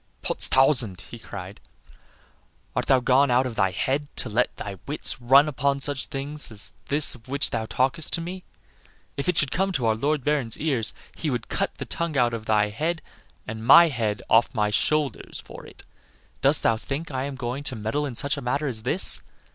"Potstausand!" he cried; "art thou gone out of thy head to let thy wits run upon such things as this of which thou talkest to me? If it should come to our Lord Baron's ears he would cut the tongue from out thy head and my head from off my shoulders for it. Dost thou think I am going to meddle in such a matter as this?